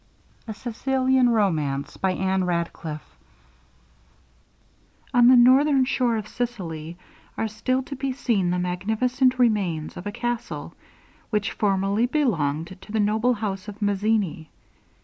A Sicilian Romance by Ann Radcliffe On the northern shore of Sicily are still to be seen the magnificent remains of a castle, which formerly belonged to the noble house of Mazzini.